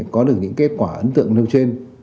có được những kết quả ấn tượng nơi trên